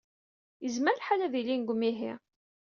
Yezmer lḥal ad ilin deg umihi.